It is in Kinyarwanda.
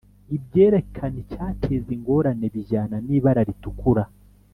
ibyerekana icyateza ingorane bijyana nibara ritukura